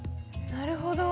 なるほど！